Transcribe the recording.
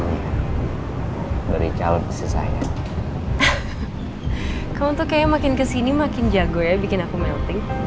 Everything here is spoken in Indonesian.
hai beri calon saya kamu tuh kayak makin kesini makin jago ya bikin aku melting